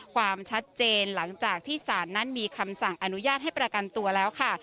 ความชัดเจนหลังจากที่ศาลนั้นมีคำสั่งอนุญาตให้ประกันตัวแล้วค่ะ